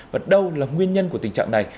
và đâu là nguyên nhân của tình trạng này